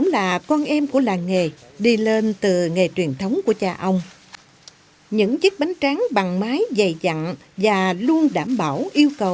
và khi tốt nghiệp đại học